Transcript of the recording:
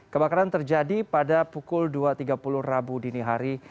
kebakaran terjadi pada pukul dua tiga puluh rabu dini hari